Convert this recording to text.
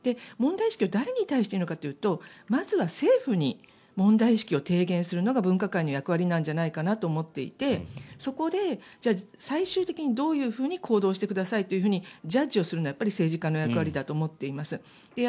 問題意識を誰に対して言うのかというとまずは政府に問題意識を提言するのが分科会の役割なんじゃないかなと思っていてそこで最終的にどういうふうに行動してくださいってジャッジをするのは政治家の役割だと思っています。